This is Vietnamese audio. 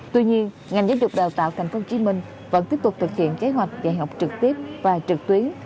tuy nhiên ngành giáo dục đào tạo tp hcm vẫn tiếp tục thực hiện kế hoạch dạy học trực tiếp và trực tuyến